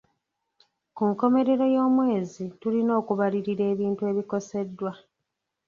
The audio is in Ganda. Ku nkomerero y'omwezi tulina okubalirira ebintu ebikozeseddwa.